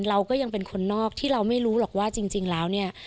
เราก็ยังเป็นคนนอกที่เราไม่รู้หรอกว่าจริงแล้วเนี่ย